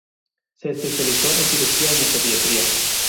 Se especializó en cirugía y en pediatría.